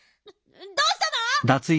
どうしたの？